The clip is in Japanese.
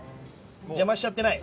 邪魔しちゃってない？